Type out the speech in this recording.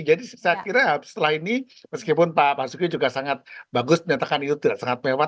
jadi saya kira setelah ini meskipun pak suki juga sangat bagus menyatakan itu tidak sangat mewah